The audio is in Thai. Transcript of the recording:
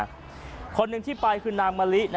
คนหนึ่งที่ไปคือนางมะลิ